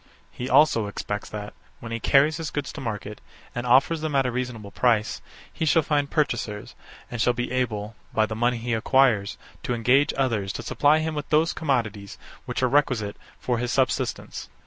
He also expects that, when he carries his goods to market, and offers them at a reasonable price, he shall find purchasers, and shall be able, by the money he acquires, to engage others to supply him with those commodities which are requisite for his subsistence.